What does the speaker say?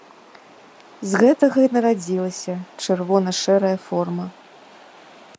З гэтага і нарадзілася чырвона-шэрая форма.